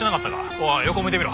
おい横向いてみろ。